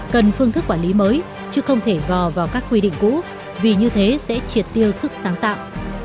cần phương thức quản lý mới chứ không thể gò vào các quy định cũ vì như thế sẽ triệt tiêu sức sáng tạo